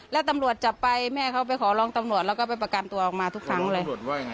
แล้วตำรวจจับไปแม่เขาไปขอร้องตำรวจแล้วก็ไปประกันตัวออกมาทุกครั้งเลย